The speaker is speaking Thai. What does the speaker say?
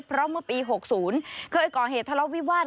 เพราะเมื่อปี๖๐เคยก่อเหตุทะเลาะวิวาส